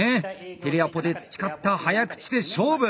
テレアポで培った早口で勝負。